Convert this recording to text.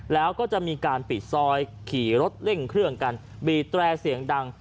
แล้วก็จะมีการปิดซอยขี่รถเร่งเครื่องกันบีดแตรเสียงดัง